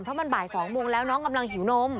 เพราะมันบ่าย๒โมงแล้วน้องกำลังหิวนม